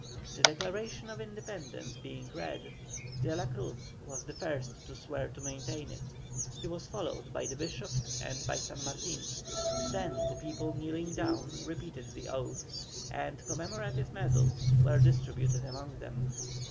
The Declaration of Independence being read, De la Cruz was the first to swear to maintain it, he was followed by the Bishop and by San Martin; then the people kneeling down, repeated the oath, and commemorative medals were distributed among them.